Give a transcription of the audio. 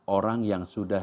orang yang sudah